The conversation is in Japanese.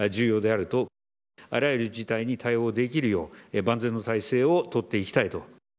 あらゆる事態に対応できるよう、万全の体制を取っていきたいと。